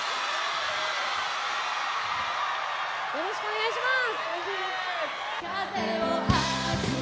よろしくお願いします。